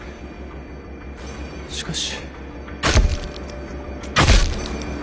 しかし。